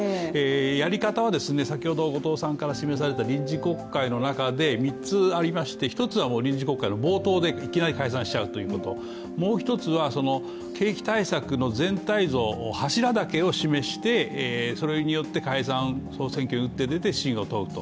やり方は臨時国会の中で３つありまして１つは臨時国会の冒頭でいきなり解散しちゃうということ、もう一つは景気対策の全体像柱だけを示して、それによって解散総選挙に打って出て、信を問うと。